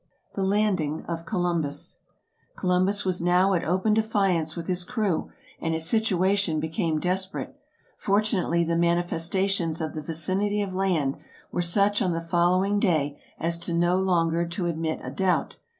The Landing of Columbus Columbus was now at open defiance with his crew, and his situation became desperate. Fortunately the manifesta tions of the vicinity of land were such on the following day as no longer to admit a doubt.